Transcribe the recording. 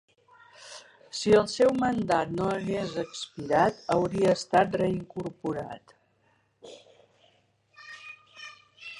Si el seu mandat no hagués expirat, hauria estat reincorporat.